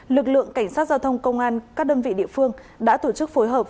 lực lượng cảnh sát giao thông công an các đơn vị địa phương đã tổ chức phối hợp